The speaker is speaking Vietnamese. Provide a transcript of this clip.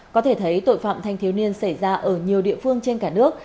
có thể thấy tội phạm thanh thiếu niên xảy ra ở nhiều địa phương trên cả nước